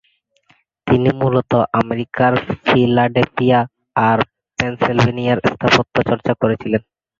তিনি মূলত আমেরিকার ফিলাডেলফিয়া আর পেনসিলভানিয়ায় স্থাপত্য চর্চা করেছিলেন।